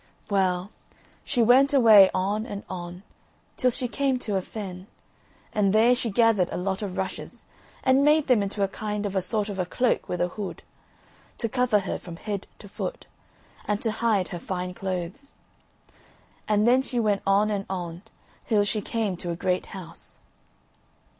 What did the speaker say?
Well, she went away on and on till she came to a fen, and there she gathered a lot of rushes and made them into a kind of a sort of a cloak with a hood, to cover her from head to foot, and to hide her fine clothes. And then she went on and on till she came to a great house.